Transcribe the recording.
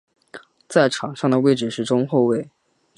在场上的位置是中后卫。